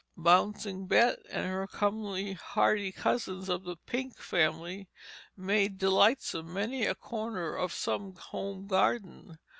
Bouncing bet and her comely hearty cousins of the pink family made delightsome many a corner of our home garden.